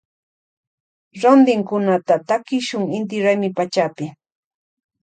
Rontinkunata takishun inti raymi pachapi.